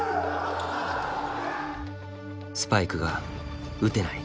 スパイクが打てない。